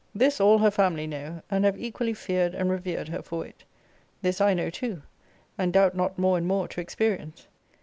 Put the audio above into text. This all her family know, and have equally feared and revered her for it. This I know too; and doubt not more and more to experience.